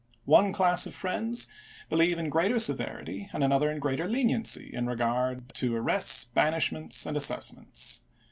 One class of friends believe in greater severity and another in greater leniency in regard to arrests, banishments, and assessments.